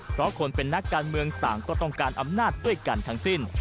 เพราะคนเป็นนักการเมืองต่างก็ต้องการอำนาจด้วยกันทั้งสิ้น